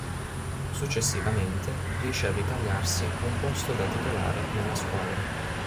Successivamente riesce a ritagliarsi un posto da titolare nella squadra.